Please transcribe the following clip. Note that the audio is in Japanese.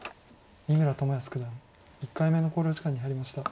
三村智保九段１回目の考慮時間に入りました。